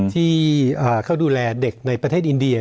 ที่เขาดูแลเด็กในประเทศอินเดีย